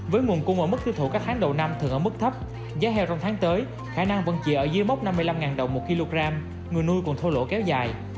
với nguồn cung và mức tiêu thụ các tháng đầu năm thường ở mức thấp giá heo trong tháng tới khả năng vẫn chỉ ở dưới mốc năm mươi năm đồng một kg người nuôi còn thua lỗ kéo dài